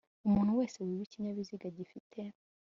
Umuntu wese wiba ikinyabiziga gifite